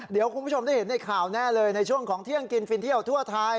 เดี๋ยวคุณผู้ชมได้เห็นในข่าวแน่เลยในช่วงของเที่ยงกินฟินเที่ยวทั่วไทย